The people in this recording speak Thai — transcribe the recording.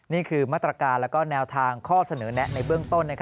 นี่คือมาตรการและแนวทางข้อเสนอแนะในเบื้องต้น